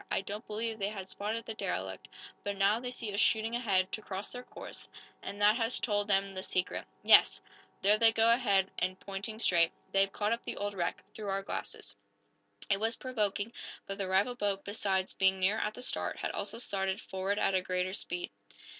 "I don't believe they had spotted the derelict, but now they see us shooting ahead, to cross their course, and that has told them the secret. Yes! There they go ahead, and pointing straight. They've caught up the old wreck through our glasses!" It was provoking, but the rival boat, besides being nearer at the start, had also started forward at greater speed.